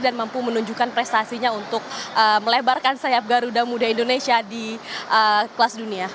dan mampu menunjukkan prestasinya untuk melebarkan sayap garuda muda indonesia di kelas dunia